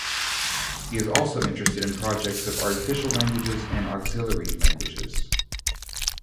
He is also interested in projects of artificial languages and auxiliary languages.